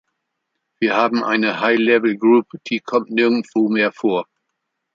Wir haben eine High Level Group, die kommt nirgendwo mehr vor.